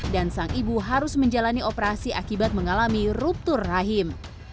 dan sang ibu harus menjalani operasi akibat mengalami ruptur rahim